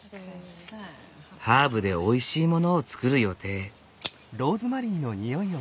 ハーブでおいしいものを作る予定。